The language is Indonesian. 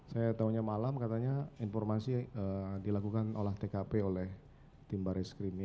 saya tahunya malam katanya informasi dilakukan olah tkp oleh tim baris krim ini